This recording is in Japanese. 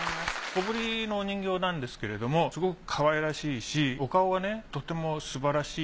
小ぶりのお人形なんですけれどもすごくかわいらしいしお顔がねとてもすばらしい。